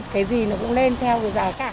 cái gì nó cũng lên theo cái giá cả